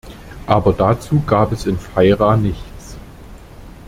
Aber dazu gab es in Feira nichts.